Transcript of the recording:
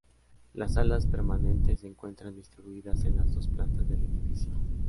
Las salas permanentes se encuentran distribuidas en las dos plantas del edificio.